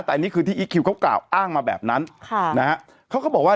แต่อันนี้คือที่อีคคิวเขากล่าวอ้างมาแบบนั้นค่ะนะฮะเขาก็บอกว่า